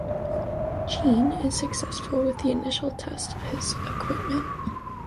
Gene is successful with the initial test of his equipment.